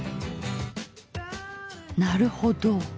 なるほど！